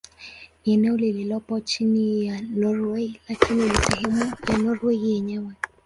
Ni eneo lililopo chini ya Norwei lakini si sehemu ya Norwei yenyewe.